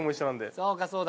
そうかそうだ。